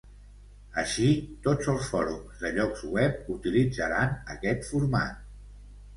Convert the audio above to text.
Així, tots els fòrums de llocs web utilitzaran aquest format.